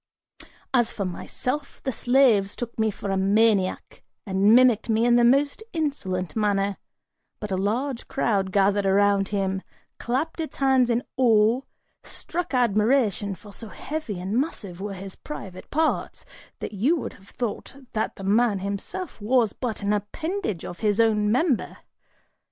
As for myself, the slaves took me for a maniac, and mimicked me in the most insolent manner, but a large crowd gathered around him, clapping its hands in awe struck admiration, for so heavy and massive were his private parts, that you would have thought that the man himself was but an appendage of his own member!